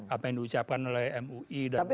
apa yang diucapkan oleh mui dan juga